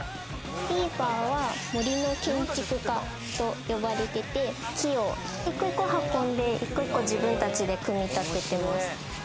ビーバーは、森の建築家と呼ばれてて、木を１個１個運んで自分たちで組み立ててます。